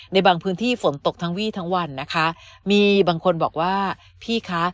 ในบางพื้นที่ฝนตกทั้งวี่ทั้งวันนะคะมีบางคนบอกว่าพี่คะ